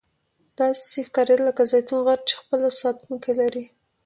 داسې ښکاریدل لکه زیتون غر چې خپل ساتونکي لري.